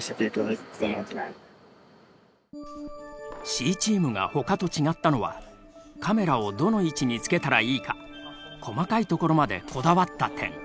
Ｃチームがほかと違ったのはカメラをどの位置につけたらいいか細かいところまでこだわった点。